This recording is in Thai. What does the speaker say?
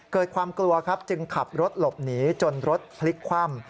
เกิดความกลัวครับจึงขับรถหลบหนีจนรถพลิกคว่ำ